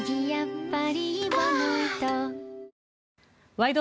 「ワイド！